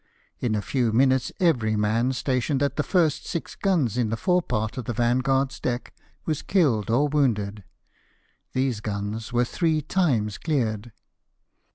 In a few minutes every man stationed at the first six guns in the fore part of the Vanguard's deck was killed or wounded — these guns were three times cleared.